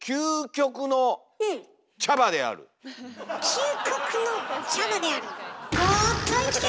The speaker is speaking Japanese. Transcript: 究極の茶葉である。